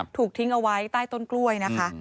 ถูกทิ้งเอาไว้ใต้ต้นกล้วยนะคะ